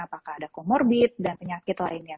apakah ada comorbid dan penyakit lainnya